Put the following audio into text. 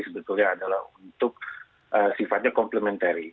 sebetulnya adalah untuk sifatnya komplementari